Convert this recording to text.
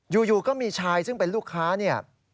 อยู่ก็มีชายซึ่งเป็นลูกค้าเนี่ย